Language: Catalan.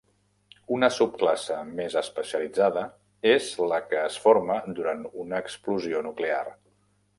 Una subclasse més especialitzada és la que es forma durant una explosió nuclear.